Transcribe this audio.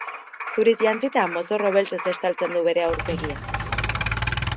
Zuriz jantzita, mozorro beltzez estaltzen du bere aurpegia.